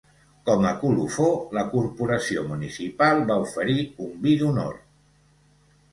Com a colofó, la Corporació Municipal va oferir un vi d’honor.